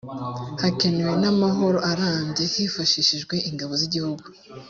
hakenewe n’amahoro arambye hifashishijwe ingabo z’igihugu